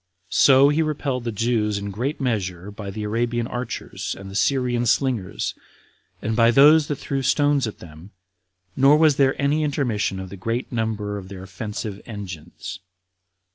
So he repelled the Jews in great measure by the Arabian archers, and the Syrian slingers, and by those that threw stones at them, nor was there any intermission of the great number of their offensive engines.